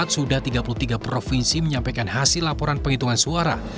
sudah tiga puluh tiga provinsi menyampaikan hasil laporan penghitungan suara